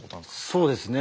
そうですね。